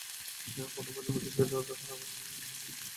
প্রথম প্রজন্ম কৃষিকাজের অধিকার হারাবে।